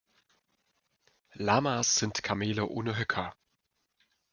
Lamas sind Kamele ohne Höcker.